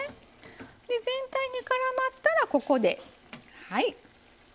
全体にからまったらここではい。